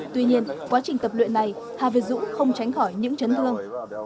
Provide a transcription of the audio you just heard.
tuy nhiên quá trình tập luyện này hà việt dũng không tránh khỏi những chấn thương